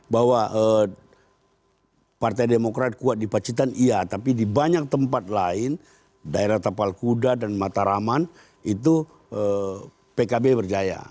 bahwa partai demokrat kuat di pacitan iya tapi di banyak tempat lain daerah tapal kuda dan mataraman itu pkb berjaya